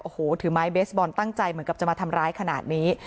โอ้โหถือไม้เบสบอลตั้งใจเหมือนกับจะมาทำร้ายขนาดนี้